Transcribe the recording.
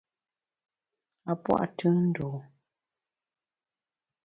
A pua’ tùn ndû.